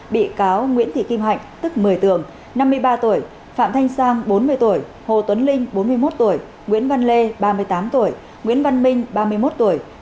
bị cáo nguyễn thị kim hạnh tức một mươi tường năm mươi ba tuổi phạm thanh sang bốn mươi tuổi hồ tuấn linh bốn mươi một tuổi nguyễn văn lê ba mươi tám tuổi nguyễn văn minh ba mươi một tuổi